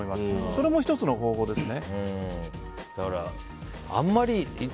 それも１つの方法ですね。